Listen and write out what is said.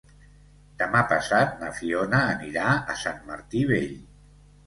Demà passat na Fiona anirà a Sant Martí Vell.